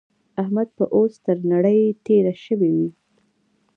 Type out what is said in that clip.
احمد به اوس تر نړۍ تېری شوی وي.